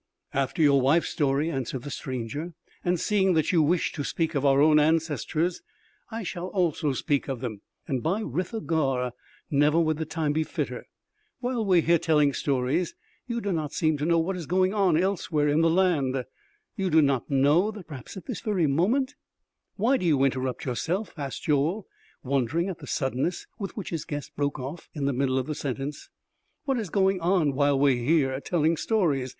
"After your wife's story," answered the stranger, "and seeing that you wish to speak of our own ancestors, I shall also speak of them ... and by Ritha Gaür!... never would the time be fitter. While we are here telling stories, you do not seem to know what is going on elsewhere in the land; you do not know that perhaps at this very moment " "Why do you interrupt yourself?" asked Joel wondering at the suddenness with which his guest broke off in the middle of the sentence. "What is going on while we are here telling stories?